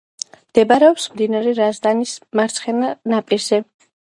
მდებარეობს მდინარე რაზდანის მარცხენა ნაპირზე.